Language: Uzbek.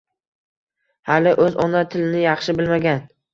hali o‘z ona tilini yaxshi bilmagan